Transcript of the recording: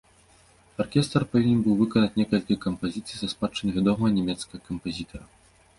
Аркестр павінен быў выканаць некалькі кампазіцыі са спадчыны вядомага нямецкага кампазітара.